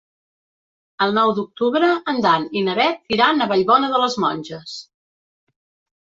El nou d'octubre en Dan i na Bet iran a Vallbona de les Monges.